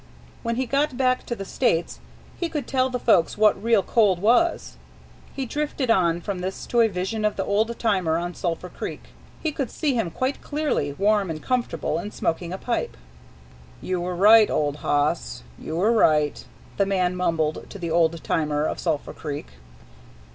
When he got back to the States he could tell the folks what real cold was. He drifted on from this to a vision of the old timer on Sulphur Creek. He could see him quite clearly, warm and comfortable, and smoking a pipe. "You were right, old hoss; you were right," the man mumbled to the old timer of Sulphur Creek.